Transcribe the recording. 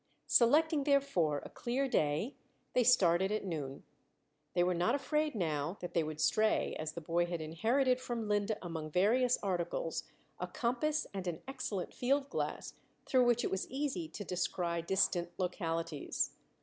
Selecting, therefore, a clear day, they started at noon. They were not afraid now that they would stray, as the boy had inherited from Linde, among various articles, a compass and an excellent field glass, through which it was easy to descry distant localities.